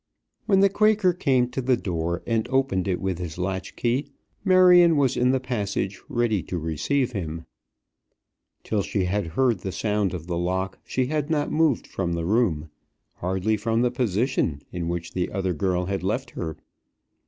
When the Quaker came to the door, and opened it with his latch key, Marion was in the passage ready to receive him. Till she had heard the sound of the lock she had not moved from the room, hardly from the position, in which the other girl had left her.